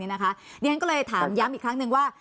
นี่ก็เลยถามย้ำอีกครั้งนึงว่า